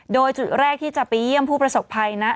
โดยจุดแรกที่จะไปเยี่ยมผู้ประสบภัยนะ